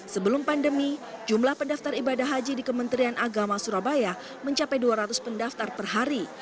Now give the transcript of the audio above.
sebelum pandemi jumlah pendaftar ibadah haji di kementerian agama surabaya mencapai dua ratus pendaftar per hari